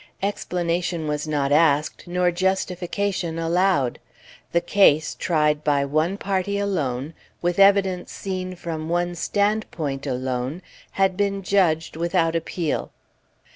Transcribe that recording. Explanation was not asked, nor justification allowed: the case, tried by one party alone, with evidence seen from one standpoint alone, had been judged without appeal.